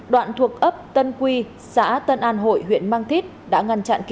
đoạn thuộc ấp tân quy xã tân an hội huyện mang thít đã ngăn chặn